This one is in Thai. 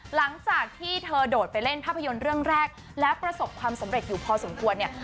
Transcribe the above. หลังจากที่เธอโดดไปเล่นภาพยนตร์เรื่องแรกแล้วประสบความสำเร็จอยู่พอสมควรเนี่ย